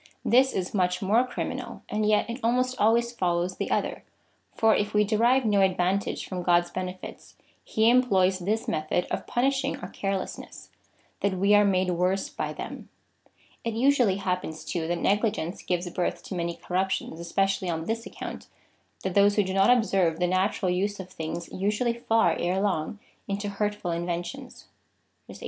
This is much more criminal, and yet it almost always follows the other, for if we derive no advantage from God's benefits, he employs this method of punishing our carelessness — that we are made worse by them. It usually happens, too, that negligence gives birth to many corrup tions, especially on this account, that those who do not ob serve the natural use of things usually fall erelong into hurt ful inventions.^ 18.